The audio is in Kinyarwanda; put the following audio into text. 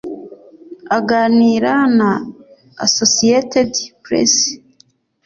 Aganira na Associated Press